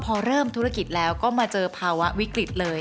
พอเริ่มธุรกิจแล้วก็มาเจอภาวะวิกฤตเลย